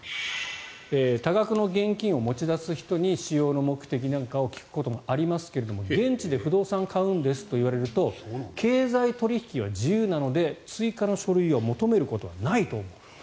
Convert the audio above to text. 多額の現金を持ち出す人に使用の目的なんかを聞くこともありますが現地で不動産を買うんですと言われると経済取引は自由なので追加の書類を求めることはないと思う。